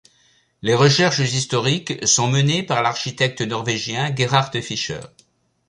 Les recherches historiques sont menées par l'architecte norvégien Gerhard Fischer.